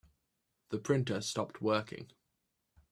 The printer stopped working.